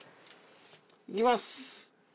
いきます。